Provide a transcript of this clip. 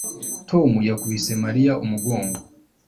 Tom yakubise Mariya umugongo